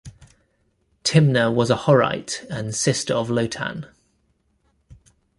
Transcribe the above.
Timna was a Horite and sister of Lotan.